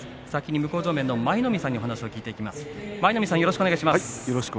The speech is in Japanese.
向正面の舞の海さんに聞いていきます。